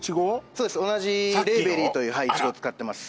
そうです同じレイベリーというイチゴ使ってます